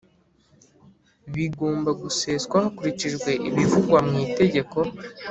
Biigomba guseswa hakurikijwe ibivugwa mu Itegeko